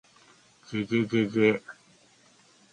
ｗ じぇじぇじぇじぇ ｗ